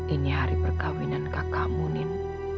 ini hari perkawinan kakakmu nin